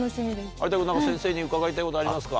有田君何か先生に伺いたいことありますか？